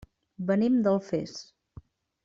Venim d'Alfés.